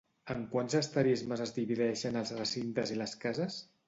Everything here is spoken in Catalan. En quants asterismes es divideixen els recintes i les cases?